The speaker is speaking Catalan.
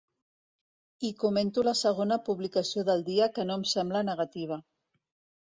I comento la segona publicació del dia que no em sembla negativa.